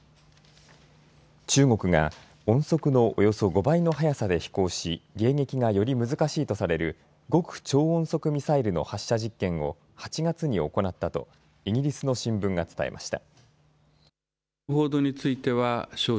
中国が音速のおよそ５倍の速さで飛行し、迎撃がより難しいとされる極超音速ミサイルの発射実験を８月に行ったとイギリスの新聞が伝えました。